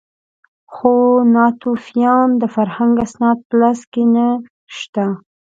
خو د ناتوفیانو د فرهنګ اسناد په لاس کې نه شته.